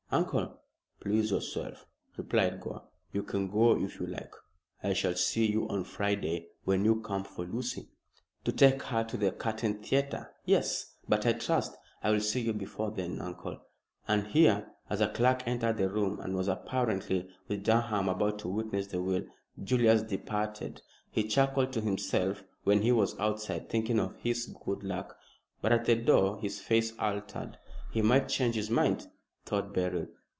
"Uncle?" "Please yourself," replied Gore. "You can go if you like. I shall see you on Friday when you come for Lucy." "To take her to the Curtain Theatre. Yes! But I trust I will see you before then, uncle." And here, as a clerk entered the room and was apparently, with Durham, about to witness the will, Julius departed. He chuckled to himself when he was outside, thinking of his good luck. But at the door his face altered. "He might change his mind," thought Beryl.